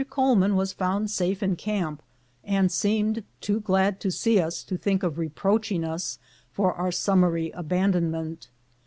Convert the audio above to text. Coleman was found safe in camp, and seemed too glad to see us to think of reproaching us for our sum mary abandonment.